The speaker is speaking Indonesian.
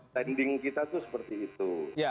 standing kita itu seperti itu